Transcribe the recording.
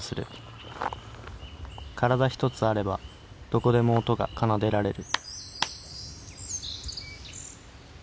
体ひとつあればどこでも音が奏でられる。